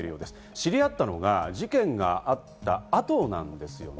知り合ったのが事件があった後なんですね。